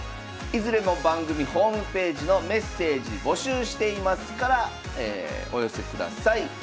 いずれも番組ホームページの「メッセージ募集しています」からお寄せください。